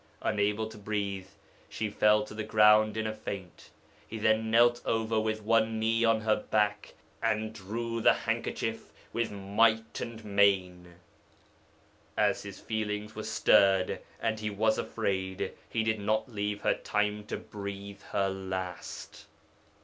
Unable to breathe, she fell to the ground in a faint; he then knelt with one knee on her back, and drew the handkerchief with might and main. As his feelings were stirred and he was afraid, he did not leave her time to breathe her last.